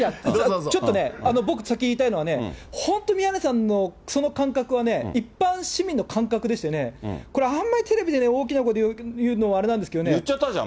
ちょっと、僕、先言いたいのは、本当、宮根さんのその感覚はね、一般市民の感覚でしてね、これあんまりテレビで大きな声で言うのはあれなんですけどね。